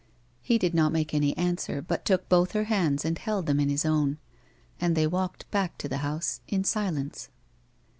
He did not make any answer, but took both her hands and held them in his own, and they walked back to the house in silence.